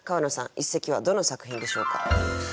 一席はどの作品でしょうか？